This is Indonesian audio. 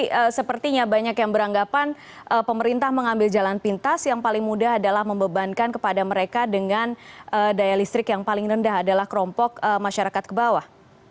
tapi sepertinya banyak yang beranggapan pemerintah mengambil jalan pintas yang paling mudah adalah membebankan kepada mereka dengan daya listrik yang paling rendah adalah kelompok masyarakat ke bawah